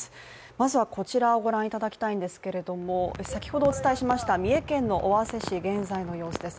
まずはこちらをご覧いただきたいんですけれども先ほどお伝えしました三重県の尾鷲市現在の様子です。